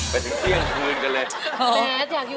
ไปถึงเที่ยงคืนกันเลย